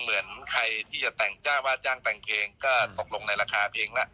เหมือนใครที่จะแต่งจ้างว่าจ้างแต่งเพลงก็ตกลงในราคาเพลงละ